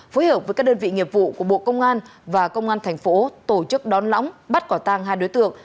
phối hợp với các đơn vị nghiệp vụ của bộ công an và công an thành phố tổ chức đón lõng bắt quả tang hai đối tượng